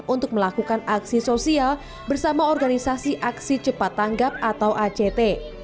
untuk melakukan aksi sosial bersama organisasi aksi cepat tanggap atau act